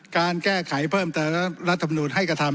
การแก้ไขเพิ่มเติมรัฐมนุนให้กระทำ